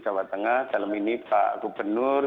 jawa tengah dalam ini pak gubernur